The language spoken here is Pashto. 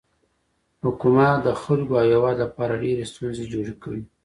حکومت د خلکو او هیواد لپاره ډیرې ستونزې جوړې کړي.